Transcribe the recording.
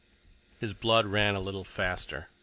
His blood ran a little faster.